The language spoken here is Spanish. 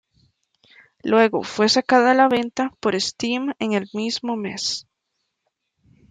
Luego, fue sacada a la venta por Steam en el mismo mes.